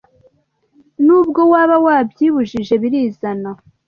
nubwo waba wabyibujije birizana